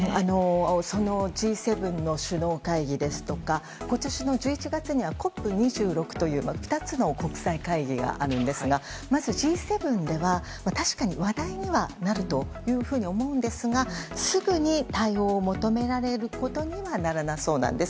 そのＧ７の首脳会議ですとか今年の１１月にはＣＯＰ２６という２つの国際会議がありますがまずＧ７では、確かに話題にはなるというふうに思うんですがすぐに対応を求められることにはならなさそうなんです。